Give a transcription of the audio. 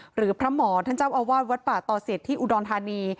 หรือพระหมอท่านเจ้าอาวาสวัดป่าตอเสร็จที่อุดรธานี